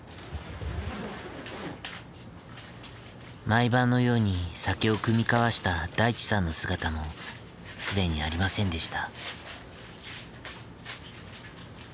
毎晩のように酒を酌み交わした大地さんの姿も既にありませんでした。